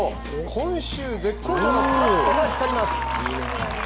今週、絶好調のパットが光ります。